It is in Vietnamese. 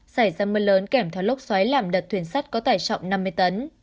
xảy ra mưa lớn kẻm theo lốc xoáy làm đật thuyền sắt có tải trọng năm mươi tấn